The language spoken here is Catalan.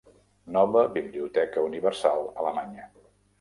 Nova Biblioteca Universal Alemanya